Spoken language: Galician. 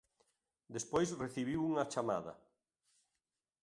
Despois recibiu unha chamada.